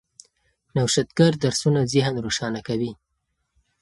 نوښتګر درسونه ذهن روښانه کوي.